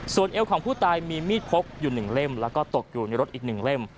ส่วนเอวของผู้ตายมีมีดพกอยู่๑เล่มแล้วก็ตกอยู่ในรถอีก๑เล่ม